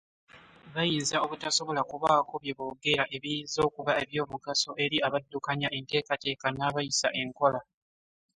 Bayinza obutasobola kubaako bye boogera ebiyinza okuba eby’omugaso eri abaddukanya enteekateeka n’abayisa enkola.